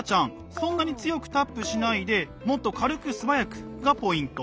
そんなに強くタップしないでもっと軽く素早くがポイント。